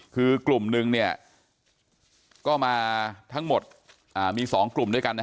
คือกลุ่มหนึ่งก็มาทั้งหมดมี๒กลุ่มด้วยกัน